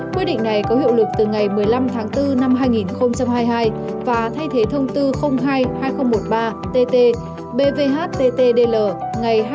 quy định này có hiệu lực từ ngày một mươi năm bốn hai nghìn hai mươi hai và thay thế thông tư hai hai nghìn một mươi ba tt bvhtt dl ngày hai mươi bốn một hai nghìn một mươi ba